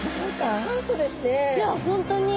いや本当に。